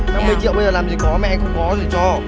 năm mươi triệu bây giờ làm gì có mẹ cũng có gì cho